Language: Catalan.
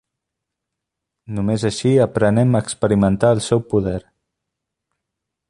Només així aprenem a experimentar el seu poder.